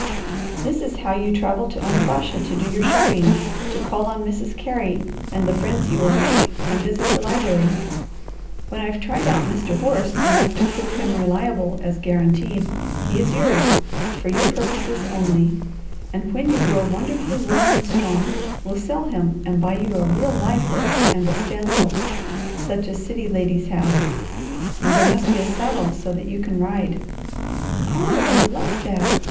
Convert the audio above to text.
"This is how you travel to Onabasha to do your shopping, to call on Mrs. Carey and the friends you will make, and visit the library. When I've tried out Mr. Horse enough to prove him reliable as guaranteed, he is yours, for your purposes only, and when you grow wonderfully well and strong, we'll sell him and buy you a real live horse and a stanhope, such as city ladies have; and there must be a saddle so that you can ride." "Oh I'd love that!"